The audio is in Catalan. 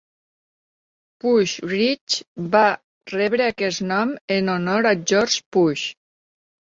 Pusch Ridge va rebre aquest nom en honor a George Pusch.